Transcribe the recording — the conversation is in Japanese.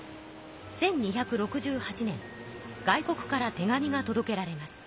１２６８年外国から手紙がとどけられます。